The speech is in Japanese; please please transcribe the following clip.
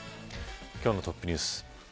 今日のトップニュース。